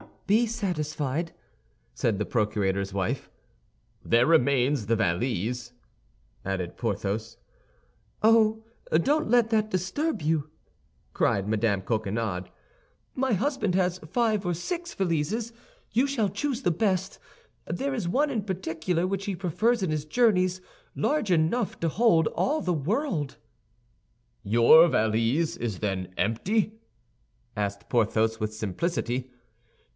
"Be satisfied," said the procurator's wife. "There remains the valise," added Porthos. "Oh, don't let that disturb you," cried Mme. Coquenard. "My husband has five or six valises; you shall choose the best. There is one in particular which he prefers in his journeys, large enough to hold all the world." "Your valise is then empty?" asked Porthos, with simplicity.